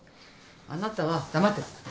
あなたは黙ってなさい。